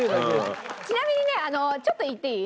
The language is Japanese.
ちなみにねちょっと言っていい？